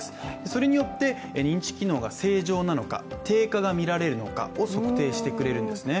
それによって、認知機能が正常なのか低下が見られるのかを測定してくれるんですね